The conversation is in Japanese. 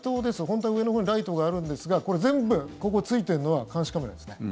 本当は上のほうにライトがあるんですがこれ全部、ここついてるのは監視カメラですね。